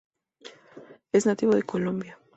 Es nativo de Colombia.